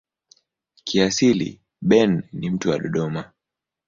Kiasili Ben ni mtu wa Dodoma.